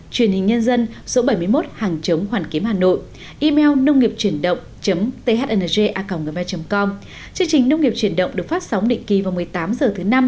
chương trình nông nghiệp truyền động được phát sóng định kỳ vào một mươi tám h thứ năm